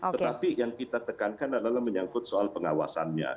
tetapi yang kita tekankan adalah menyangkut soal pengawasannya